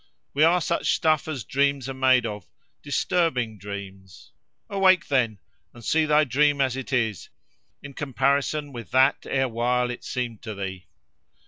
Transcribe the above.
We are such stuff as dreams are made of—disturbing dreams. Awake, then! and see thy dream as it is, in comparison with that erewhile it seemed to thee.